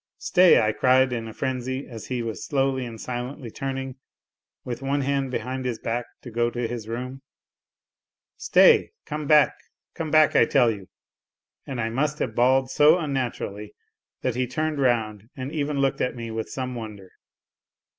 "Stay," I cried, in a frenzy, as he was slowly and silently turning, with one hand behind his back, to go to his room, " stay ! Come back, come back, I tell you I " and I must have bawled so unnaturally, that he turned round and even looked at me with some wonder.